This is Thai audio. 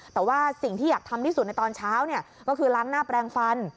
แต่ว่าสิ่งที่อยากทำที่สุดในตอนเช้าก็คือล้างหน้าแปลงฟัน